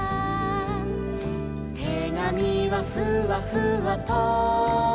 「てがみはふわふわと」